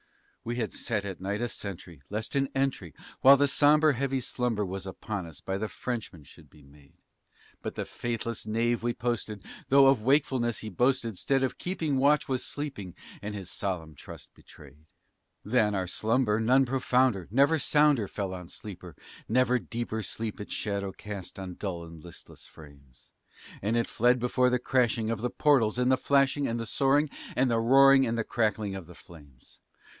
We had set at night a sentry, lest an entry, while the sombre Heavy slumber was upon us, by the Frenchman should be made; But the faithless knave we posted, though of wakefulness he boasted, 'Stead of keeping watch was sleeping, and his solemn trust betrayed. Than our slumber none profounder; never sounder fell on sleeper, Never deeper sleep its shadow cast on dull and listless frames; But it fled before the crashing of the portals, and the flashing, And the soaring, and the roaring, and the crackling of the flames.